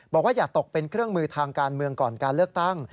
อย่าตกเป็นเครื่องมือทางการเมืองก่อนการเลือกตั้ง